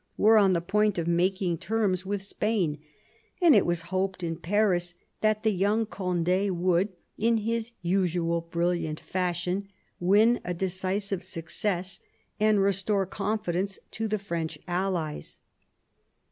were on the point of making terms with Spain, and it was hoped in Paris that the young Cond^ would, in his usual brilliant fashion, win a decisive success and restore confidence to the French allies.